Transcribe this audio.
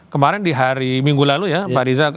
kemarin di hari minggu lalu ya pak rizal